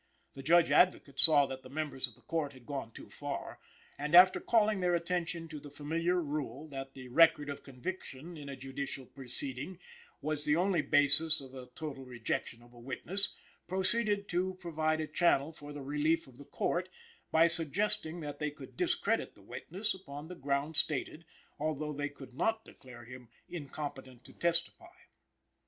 The Judge Advocate saw that the members of the Court had gone too far, and, after calling their attention to the familiar rule that the record of conviction in a judicial proceeding was the only basis of a total rejection of a witness, proceeded to provide a channel for the relief of the Court by suggesting that they could discredit the witness upon the ground stated, although they could not declare him incompetent to testify.